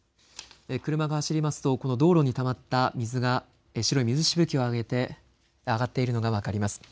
車が走りますとこの道路にたまった水が白い水しぶきを上げて上がっているのが分かります。